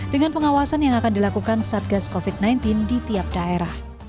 dengan pengawasan yang akan dilakukan satgas covid sembilan belas di tiap daerah